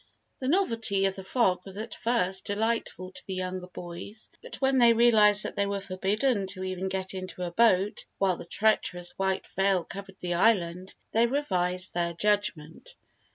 The novelty of the fog was at first delightful to the younger boys but when they realised that they were forbidden to even get into a boat while the treacherous white veil covered the island, they revised their judgment.